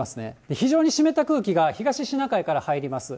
非常に湿った空気が東シナ海から入ります。